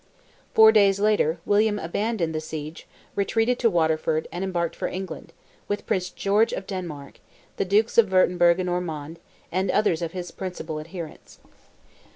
Four days later, William abandoned the siege, retreated to Waterford, and embarked for England, with Prince George of Denmark, the Dukes of Wurtemburg and Ormond, and others of his principal adherents.